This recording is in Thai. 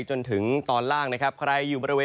จนถึงตอนล่างนะครับใครอยู่บริเวณ